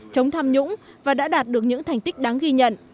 chống tham nhũng và đã đạt được những thành tích đáng ghi nhận